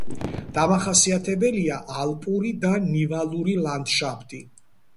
დამახასიათებელია ალპური და ნივალური ლანდშაფტი.